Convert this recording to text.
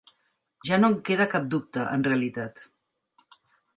Ja no en queda cap dubte, en realitat.